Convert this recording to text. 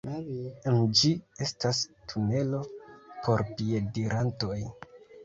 En ĝi estas tunelo por piedirantoj.